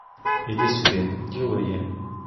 Іди сюди, діло є!